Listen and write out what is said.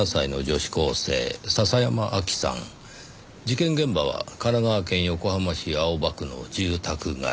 事件現場は神奈川県横浜市青葉区の住宅街。